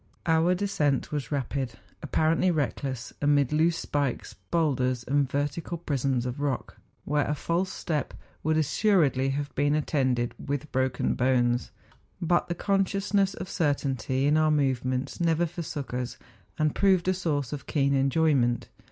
Our descent was rapid, appa¬ rently reckless, amid loose spikes, hoidders, and vertical prisms of rock, where a false step would as¬ suredly have been attended "with broken bones; but the consciousness of certainty in our movements never forsook us, and proved a source of keen enjoy¬ ment.